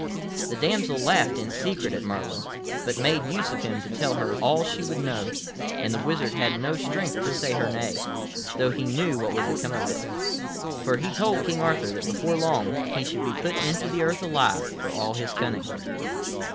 The damsel laughed in secret at Merlin, but made use of him to tell her all she would know, and the wizard had no strength to say her nay, though he knew what would come of it. For he told King Arthur that before long he should be put into the earth alive, for all his cunning.